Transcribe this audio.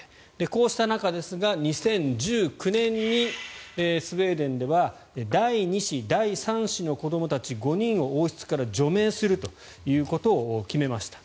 こうした中ですが２０１９年にスウェーデンでは第２子、第３子の子どもたち５人を王室から除名するということを決めました。